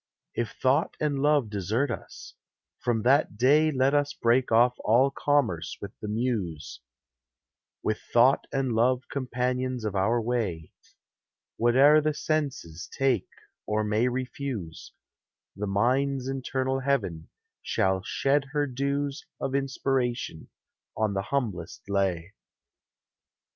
If Thought and Love desert us, from that day Let us break off all commerce with the Muse : With Thought and Love companions of our way, Whate'er the senses take or may refuse, — The mind's internal Heaven shall shed her dews Of inspiration on the humblest lay.